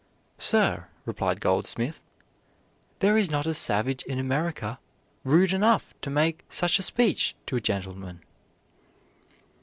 "Sir," replied Goldsmith, "there is not a savage in America rude enough to make such a speech to a gentleman."